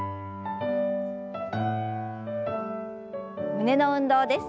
胸の運動です。